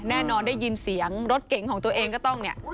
แน่นอนได้ยินเสียงรถเก๋งของตัวเองก็ต้องเนี่ย